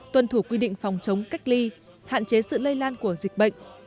tuân thủ quy định phòng chống cách ly hạn chế sự lây lan của dịch bệnh